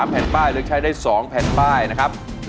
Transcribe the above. แผ่นป้ายเลือกใช้ได้๒แผ่นป้ายนะครับ